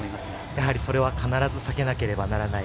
やはり、それは必ず避けなければならない。